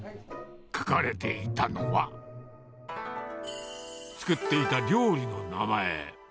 書かれていたのは、作っていた料理の名前。